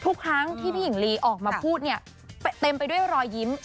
ทุกครั้งที่พี่หญิงลีออกมาพูดเนี่ยเต็มไปด้วยรอยยิ้ม